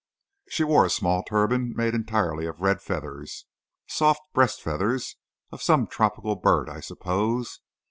She wore a small turban made entirely of red feathers, soft breast feathers of some tropical bird, I suppose.